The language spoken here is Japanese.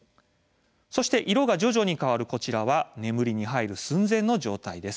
そして、色が徐々に変わるこちらは眠りに入る寸前の状態です。